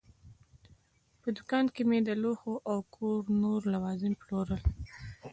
په دوکان کې مې د لوښو او د کور نور لوازم پلورل.